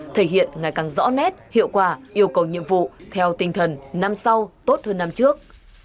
thể hiện ngày càng rõ nét hiệu quả yêu cầu nhiệm vụ theo tinh thần năm sau tốt hơn năm trước